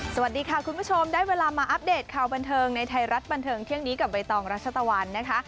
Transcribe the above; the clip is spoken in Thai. สวัสดีค่ะคุณผู้ชมได้เวลามาอัปเดตข่าวบันเทิงในไทยรัฐบันเทิงเที่ยงนี้กับใบตองรัชตะวันนะคะ